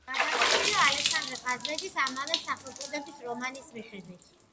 გადაღებულია ალექსანდრე ყაზბეგის ამავე სახელწოდების რომანის მიხედვით.